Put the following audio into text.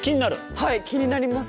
はい気になります。